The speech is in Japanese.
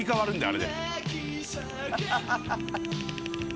あれで。